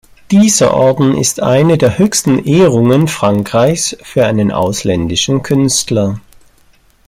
Dieser Orden ist eine der höchsten Ehrungen Frankreichs für einen ausländischen Künstler.